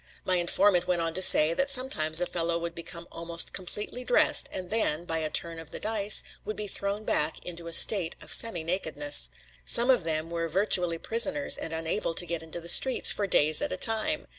My informant went on to say that sometimes a fellow would become almost completely dressed and then, by a turn of the dice, would be thrown back into a state of semi nakedness. Some of them were virtually prisoners and unable to get into the streets for days at a time.